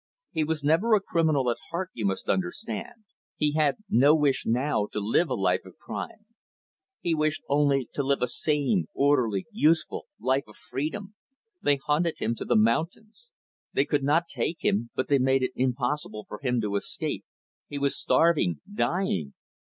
"He was never a criminal at heart, you must understand. He had no wish, now, to live a life of crime. He wished only to live a sane, orderly, useful, life of freedom. They hunted him to the mountains. They could not take him, but they made it impossible for him to escape he was starving dying.